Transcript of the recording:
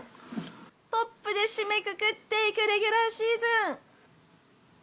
トップで締めくくっていくレギュラーシーズン。